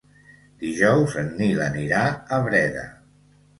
Dijous en Nil anirà a Breda.